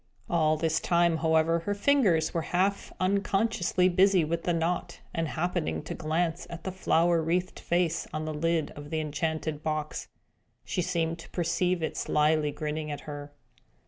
All this time, however, her fingers were half unconsciously busy with the knot; and happening to glance at the flower wreathed face on the lid of the enchanted box, she seemed to perceive it slyly grinning at her.